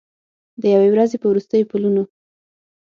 د یوې ورځې په وروستیو پلونو